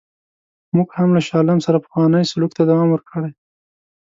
موږ هم له شاه عالم سره پخوانی سلوک ته دوام ورکړی.